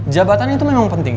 jabatan itu memang penting